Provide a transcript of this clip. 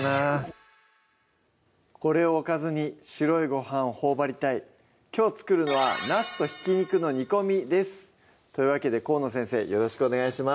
これをおかずに白いごはんをほおばりたいきょう作るのは「なすと挽き肉の煮込み」ですというわけで河野先生よろしくお願いします